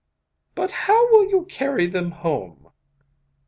'But how will you carry them home?